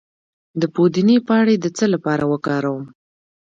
د پودینې پاڼې د څه لپاره وکاروم؟